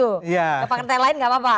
gak pakai pertanyaan lain gak apa apa